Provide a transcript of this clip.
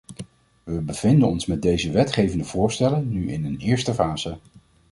We bevinden ons met deze wetgevende voorstellen nu in een eerste fase.